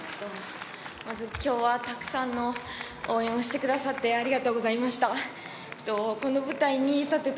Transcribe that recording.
まず、きょうはたくさんの応援をしてくださってありがとうございました。